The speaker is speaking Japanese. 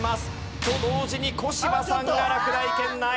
と同時に小柴さんが落第圏内。